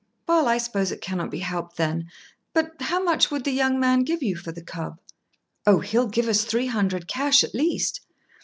"Well, I suppose it cannot be helped, then; but how much would the young man give you for the cub?" "Oh, he'll give us three hundred cash at least."